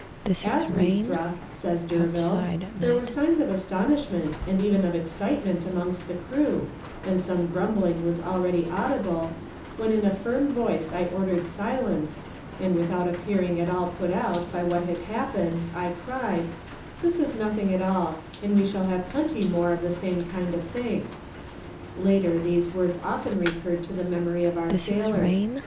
"As we struck," says D'Urville, "there were signs of astonishment and even of excitement amongst the crew, and some grumbling was already audible, when in a firm voice I ordered silence, and without appearing at all put out by what had happened, I cried, 'This is nothing at all, and we shall have plenty more of the same kind of thing.' Later these words often recurred to the memory of our sailors.